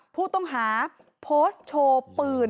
ผู้ต้องหาโพสต์โชว์ปืน